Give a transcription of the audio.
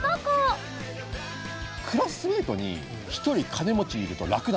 クラスメートに一人金持ちいると楽なんですよ。